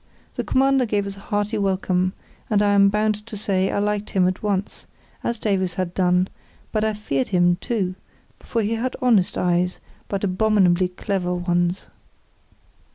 The Commander gave us a hearty welcome, and I am bound to say I liked him at once, as Davies had done; but I feared him, too, for he had honest eyes, but abominably clever ones.